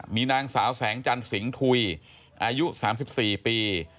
มีนางสาวแสงจันสิงหุยอายุ๓๔ปี